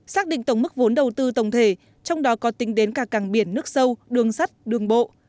xác định tổng mức vốn đầu tư tổng thể trong đó có tính đến cả càng biển nước sâu đường sắt đường bộ